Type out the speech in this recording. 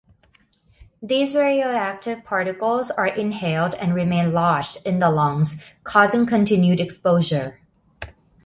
These radioactive particles are inhaled and remain lodged in the lungs, causing continued exposure.